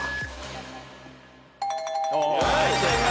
はい正解。